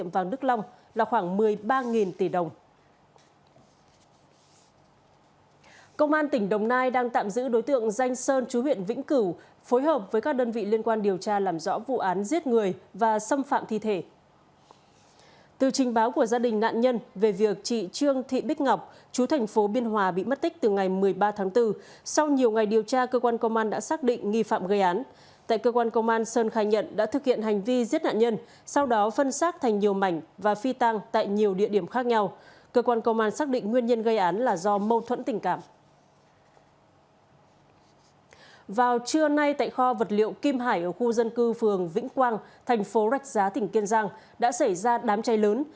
vào trưa nay tại kho vật liệu kim hải ở khu dân cư phường vĩnh quang thành phố rạch giá tỉnh kiên giang đã xảy ra đám cháy lớn